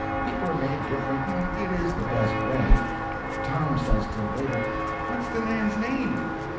People are made different. And it is the best way. Tom says to the waiter: "What's the man's name?"